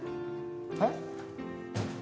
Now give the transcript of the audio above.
えっ？